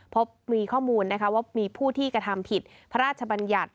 พบมีข้อมูลนะคะว่ามีผู้ที่กระทำผิดพระราชบัญญัติ